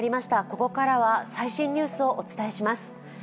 ここからは最新ニュースをお伝えします。